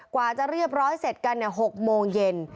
กว่าจะเรียบร้อยเสร็จกัน๖โมงเย็น